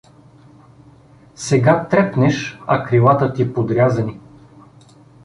Сега трепнеш, а крилата ти подрязани.